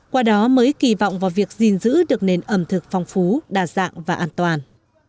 qua đó mới kỳ vọng vào việc gìn giữ được nền ẩm thực phong phú đa dạng và an toàn